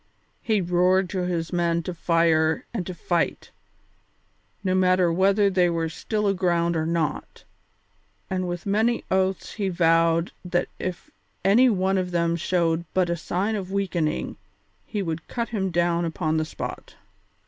He roared to his men to fire and to fight, no matter whether they were still aground or not, and with many oaths he vowed that if any one of them showed but a sign of weakening he would cut him down upon the spot.